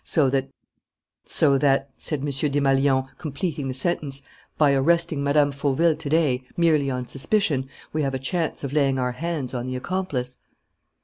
So that " "So that," said M. Desmalions, completing the sentence, "by arresting Mme. Fauville to day, merely on suspicion, we have a chance of laying our hands on the accomplice."